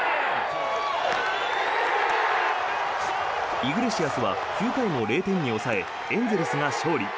イグレシアスは９回を０点に抑えエンゼルスが勝利。